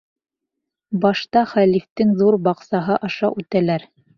Башта хәлифтең ҙур баҡсаһы аша үтәләр.